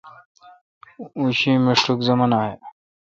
اں شی مشٹوک زُمان اے°۔